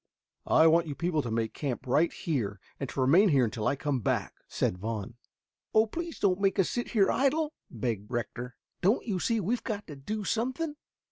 "I want you people to make camp right here and to remain here until I come back," said Vaughn. "Oh, please don't make us sit here idle," begged Rector. "Don't you see we have got to do something?"